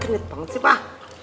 kenet banget sih pak